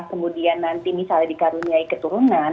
kemudian nanti misalnya dikaruniai keturunan